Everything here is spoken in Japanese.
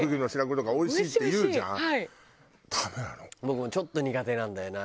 僕もちょっと苦手なんだよな。